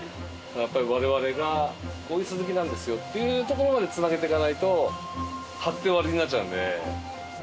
我々がこういうスズキなんですよっていうところまでつなげていかないと貼って終わりになっちゃうんで。